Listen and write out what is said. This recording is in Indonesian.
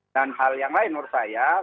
dan hal yang lain menurut saya